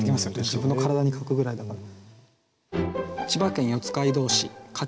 自分の体に書くぐらいだから。